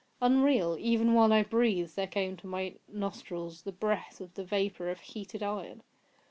Unreal!—Even while I breathed there came to my nostrils the breath of the vapour of heated iron!